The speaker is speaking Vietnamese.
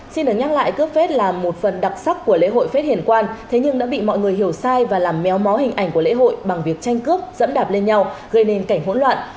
xin được nhắc lại cướp vết là một phần đặc sắc của lễ hội phết hiền quan thế nhưng đã bị mọi người hiểu sai và làm méo mó hình ảnh của lễ hội bằng việc tranh cướp dẫm đạp lên nhau gây nên cảnh hỗn loạn